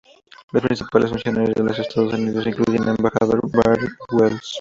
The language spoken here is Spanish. Los principales funcionarios de los Estados Unidos incluyen a Embajador Barry Wells.